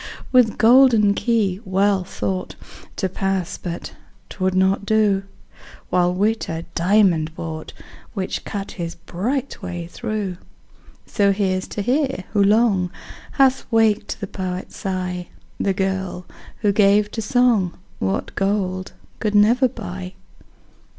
With golden key Wealth thought To pass but 'twould not do: While Wit a diamond brought, Which cut his bright way through. So here's to her, who long Hath waked the poet's sigh, The girl, who gave to song What gold could never buy.